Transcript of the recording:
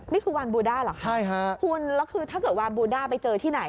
นี่คือวานบูด้าเหรอใช่ค่ะคุณแล้วคือถ้าเกิดวานบูด้าไปเจอที่ไหน